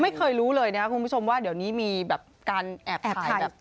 ไม่เคยรู้เลยนะครับคุณผู้ชมว่าเดี๋ยวนี้มีแบบการแอบถ่ายแบบ